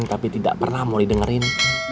tapi tidak pernah mau didengerin